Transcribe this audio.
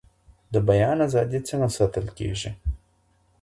د بیان آزادي څنګه ساتل کیږي؟